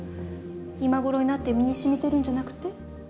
今頃になって身に染みてるんじゃなくて？